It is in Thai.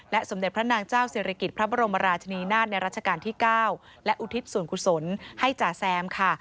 สมเด็จพระนางเจ้าศิริกิจพระบรมราชนีนาฏในรัชกาลที่๙และอุทิศส่วนกุศลให้จ่าแซมค่ะ